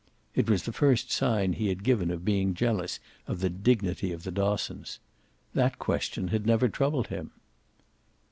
It was the first sign he had given of being jealous of the dignity of the Dossons. That question had never troubled him.